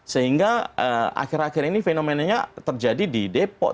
sehingga akhir akhir ini fenomenanya terjadi di depok